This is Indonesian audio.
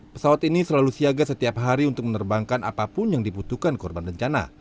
pesawat ini selalu siaga setiap hari untuk menerbangkan apapun yang dibutuhkan korban bencana